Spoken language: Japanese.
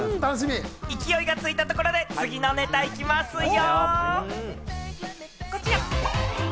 勢いがついたところで次のネタ行きますよ。